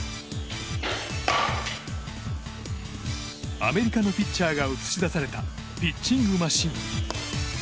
アメリカのピッチャーが映し出されたピッチングマシン。